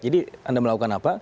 jadi anda melakukan apa